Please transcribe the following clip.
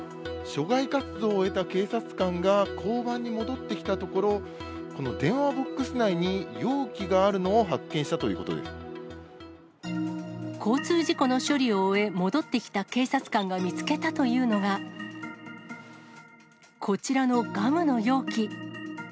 所外活動を終えた警察官が交番に戻ってきたところ、この電話ボックス内に、容器があるのを発交通事故の処理を終え、戻ってきた警察官が見つけたというのが、こちらのガムの容器。